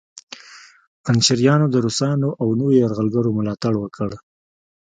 پنجشیریانو د روسانو او نورو یرغلګرو ملاتړ وکړ